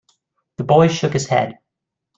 The boy shook his head.